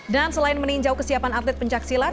dan selain meninjau kesiapan atlet pencaksilat